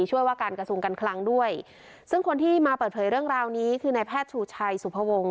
ว่าการกระทรวงการคลังด้วยซึ่งคนที่มาเปิดเผยเรื่องราวนี้คือนายแพทย์ชูชัยสุภวงศ